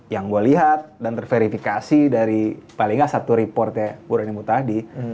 yang gue lihat dan terverifikasi dari paling gak satu report ya burhanudin muthahdi